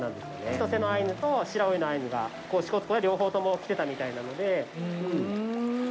千歳のアイヌと白老のアイヌが支笏湖に両方とも来てたみたいなんで。